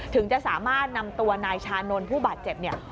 ถึงจะสามารถนำตัวนายชานนท์ผู้บาดเจ็บเนี่ย